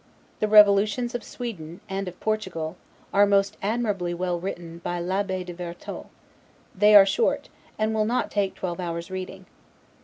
The revolutions of Sweden, and of Portugal, are most admirably well written by L'Abbe de Vertot; they are short, and will not take twelve hours' reading.